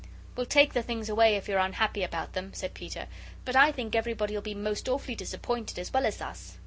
"We'll take the things away if you're unhappy about them," said Peter; "but I think everybody'll be most awfully disappointed, as well as us."